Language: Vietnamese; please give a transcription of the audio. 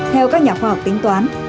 theo các nhà khoa học tính toán